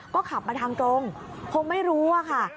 ก็ขับมาทางตรงคงไม่รู้อะค่ะ